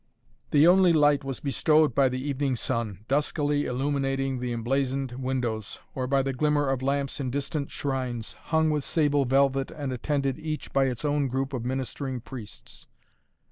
The only light was bestowed by the evening sun, duskily illuminating the emblazoned windows, or by the glimmer of lamps in distant shrines, hung with sable velvet and attended each by its own group of ministering priests.